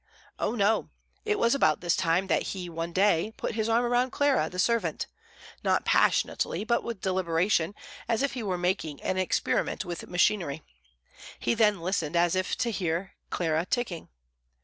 Oh, no! It was about this time that he, one day, put his arm round Clara, the servant not passionately, but with deliberation, as if he were making an experiment with machinery. He then listened, as if to hear Clara ticking.